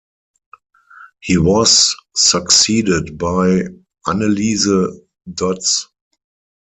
He was succeeded by Anneliese Dodds.